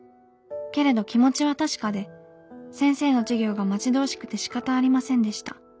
けれど気持ちは確かで先生の授業が待ち遠しくてしかたありませんでした。